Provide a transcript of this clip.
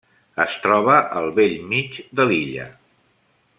Es troba al bell mig de l'illa.